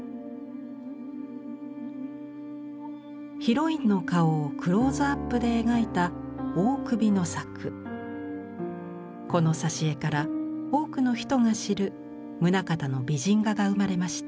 ヒロインの顔をクローズアップで描いたこの挿絵から多くの人が知る棟方の美人画が生まれました。